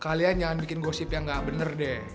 kalian jangan bikin gosip yang gak bener deh